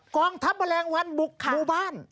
กองทัพแมลงวันบุกหมู่บ้าน